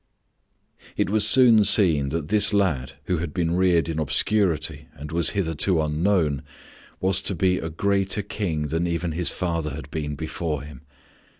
It was soon seen that this lad who had been reared in obscurity and was hitherto unknown, was to be a greater King than even his father had been before him.